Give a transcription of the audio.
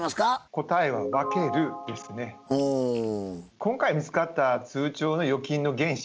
答えは今回見つかった通帳の預金の原資